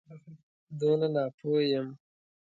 دونه ناپوه یم.